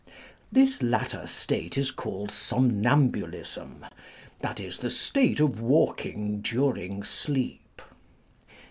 This latter state is called somnambulism, that is, the state of walking during sleep.